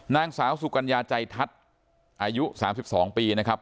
นางสาวสุกัญญาใจทัศน์อายุ๓๒ปีนะครับ